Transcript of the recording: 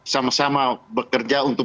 sama sama bekerja untuk